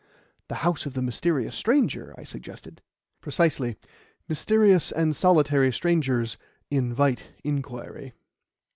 "The house of the mysterious stranger," I suggested. "Precisely. Mysterious and solitary strangers invite inquiry."